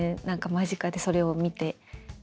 何か間近でそれを見て。